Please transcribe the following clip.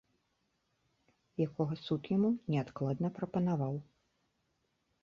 Якога суд яму неадкладна прапанаваў.